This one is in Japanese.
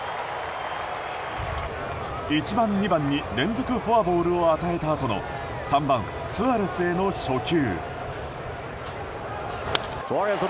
１番、２番に連続フォアボールを与えたあとの３番、スアレスへの初球。